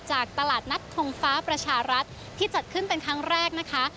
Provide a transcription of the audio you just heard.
จากตลาดนัดทงฟ้าประชารัฐที่จัดขึ้นเป็นครั้งแรกนะคะ